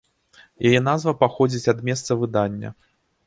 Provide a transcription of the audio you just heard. Яе назва паходзіць ад месца выдання.